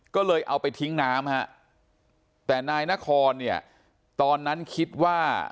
ก็เลยเอาไปทิ้งน้ำฮะแต่นายนครเนี่ยตอนนั้นคิดว่า